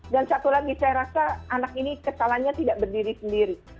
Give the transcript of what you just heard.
satu lagi saya rasa anak ini kesalahannya tidak berdiri sendiri